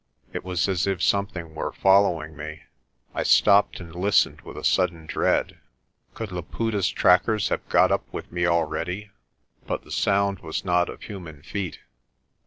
It was as if something were following me. I stopped and listened with a sudden dread. Could Laputa's trackers have got up with me already? But the sound was not of human feet.